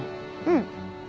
うん。